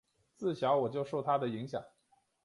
自小我就受他的影响